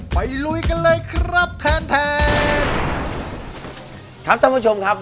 ลุยกันเลยครับแทนแทนครับท่านผู้ชมครับ